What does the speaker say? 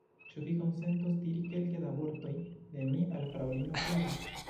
Ĉu vi konsentos diri kelke da vortoj de mi al fraŭlino Klaro?